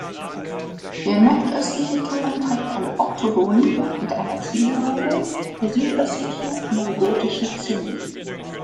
Der nordöstliche Turm trägt ein Oktogon mit einer Zwiebelhaube, der südöstliche neugotische Zinnen.